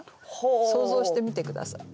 想像してみて下さい。